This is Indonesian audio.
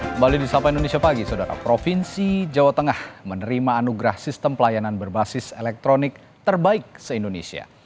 kembali di sapa indonesia pagi saudara provinsi jawa tengah menerima anugerah sistem pelayanan berbasis elektronik terbaik se indonesia